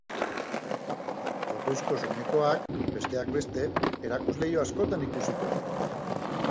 Kotoizko soinekoak, besteak beste, erakuslehio askotan ikusiko dira.